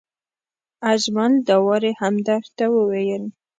اجمل داوري همدرد ته وویل.